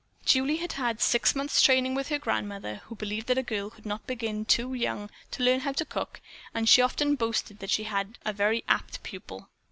Julie had had six months' training with her grandmother, who believed that a girl could not begin too young to learn how to cook, and she had often boasted that she had a very apt pupil.